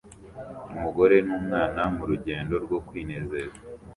Umugore numwana murugendo rwo kwinezeza